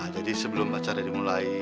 jadi sebelum pacaran dimulai